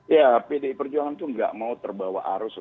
ya pdi perjuangan itu nggak mau terbawa arus